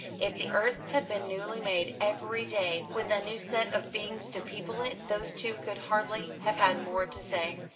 If the earth had been newly made every day, with a new set of beings to people it, those two could hardly have had more to say.